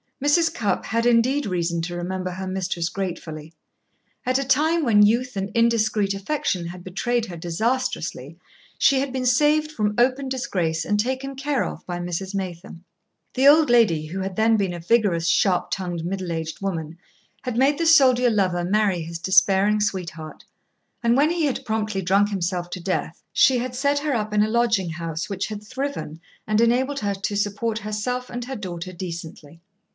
Mrs. Cupp had indeed reason to remember her mistress gratefully. At a time when youth and indiscreet affection had betrayed her disastrously, she had been saved from open disgrace and taken care of by Mrs. Maytham. The old lady, who had then been a vigorous, sharp tongued, middle aged woman, had made the soldier lover marry his despairing sweetheart, and when he had promptly drunk himself to death, she had set her up in a lodging house which had thriven and enabled her to support herself and her daughter decently.